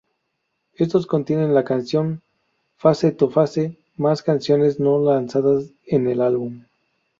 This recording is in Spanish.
Estos contienen la canción "Face To Face", más canciones no lanzadas en el álbum.